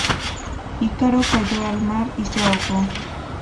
Ícaro cayó al mar y se ahogó.